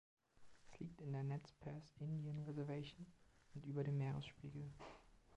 Es liegt in der Nez Perce Indian Reservation und über dem Meeresspiegel.